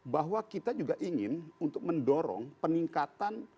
bahwa kita juga ingin untuk mendorong peningkatan